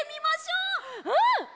うん！